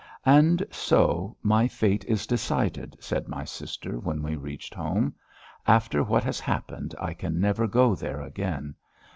"And so, my fate is decided," said my sister when we reached home. "After what has happened I can never go there again.